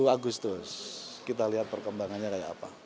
dua puluh agustus kita lihat perkembangannya kayak apa